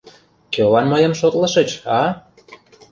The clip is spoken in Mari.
— Кӧлан мыйым шотлышыч, а?